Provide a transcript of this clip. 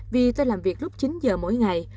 vì tôi làm việc lúc chín giờ mỗi ngày